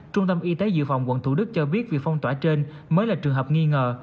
trung tâm y tế dự phòng quận thủ đức cho biết việc phong tỏa trên mới là trường hợp nghi ngờ